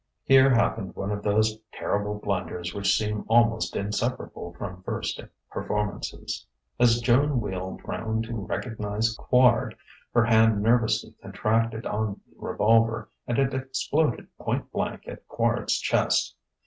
Here happened one of those terrible blunders which seem almost inseparable from first performances. As Joan wheeled round to recognize Quard, her hand nervously contracted on the revolver, and it exploded point blank at Quard's chest.